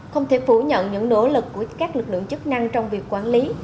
không thể phủ nhận những nỗ lực của các lực lượng chức năng trong việc quản lý